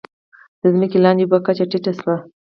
د ځمکې لاندې اوبو کچه ټیټه شوې؟